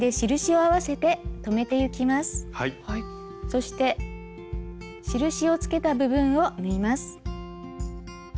そして印をつけた部分を縫います。